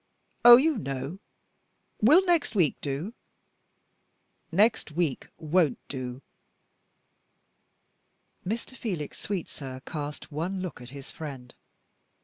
"Oh, you know. Will next week do?" "Next week won't do." Mr. Felix Sweetsir cast one look at his friend.